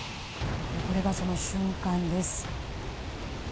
これがその瞬間です。